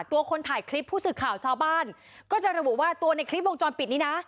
คนถ่ายคลิปผู้สื่อข่าวชาวบ้านก็จะระบุว่าตัวในคลิปวงจรปิดนี้นะ